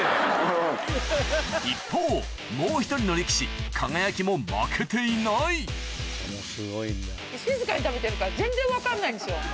一方もう１人の力士輝も負けていない静かに食べてるから全然分かんないんですよ。